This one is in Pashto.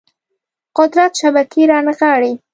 قدرت شبکې رانغاړي